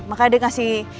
maka dia ngasih